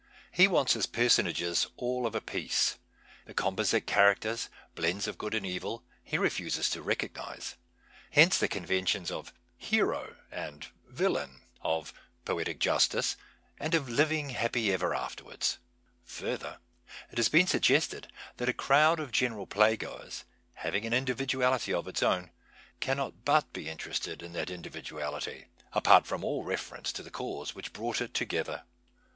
He wants his personafjes all of a piece. Tiie com posite ciiaracters, blends of good and evil, he refuses to recognize. Hence the conventions of " hero " and " villain,'' of " poetic justice " and of " living happy ever afterwards." Further, it has been sug gested that a crowd of general playgoers, having an individuality of its own, cannot but be interested in that individuality, apart from all reference to the cause which brought it together.